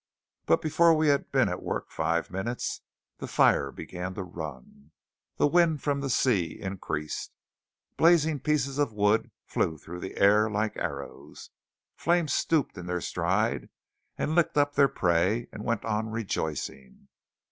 But before we had been at work five minutes, the fire began to run. The wind from the sea increased. Blazing pieces of wood flew through the air like arrows. Flames stooped in their stride, and licked up their prey, and went on rejoicing.